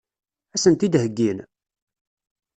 Ad sen-t-id-heggin?